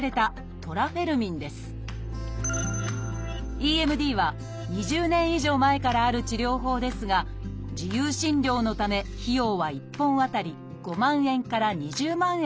「ＥＭＤ」は２０年以上前からある治療法ですが自由診療のため費用は１本あたり５万円から２０万円